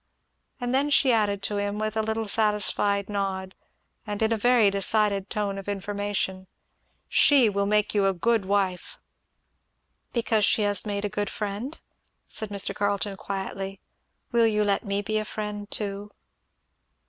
And then she added to him with a little satisfied nod, and in a very decided tone of information, "She will make you a good wife!" "Because she has made a good friend?" said Mr. Carleton quietly. "Will you let me be a friend too?"